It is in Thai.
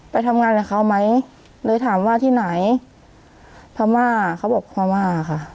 ไปทำงานกับเขาไหมเลยถามว่าที่ไหนพม่าเขาบอกพม่าค่ะ